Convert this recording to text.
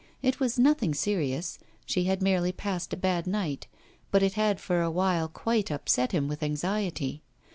It was nothing serious. She had merely passed a bad night, but it had for a while quite upset him with anxiety.